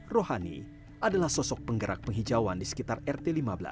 rohani adalah sosok penggerak penghijauan di sekitar rt lima belas